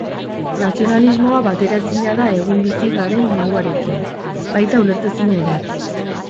Nazionalismoa bateraezina da egun bizi garen munduarekin, baita ulertezina ere.